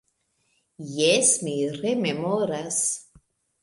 Jes, mi rememoras.